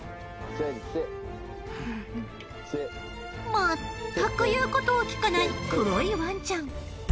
まったく言うことを聞かない黒いワンちゃん。